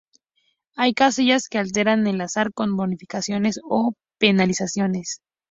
Hay casillas que alteran el azar con bonificaciones o penalizaciones.